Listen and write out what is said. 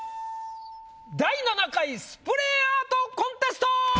第７回スプレーアートコンテスト！